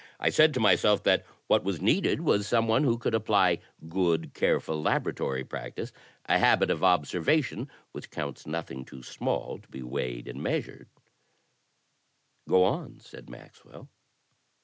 I said to myself that what was needed was some one who could apply good, careful laboratory practice; a habit of observation which counts nothing too small to be weighed and measured." THE DETECTIVE 8 1 "Go on," said Maxwell.